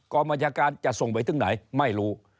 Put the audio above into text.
บัญชาการจะส่งไปถึงไหนไม่รู้